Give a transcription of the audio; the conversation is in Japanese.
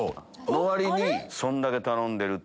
の割にそんだけ頼んでるって。